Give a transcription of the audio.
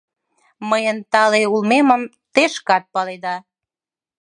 «Мыйын тале улмемым те шкат паледа.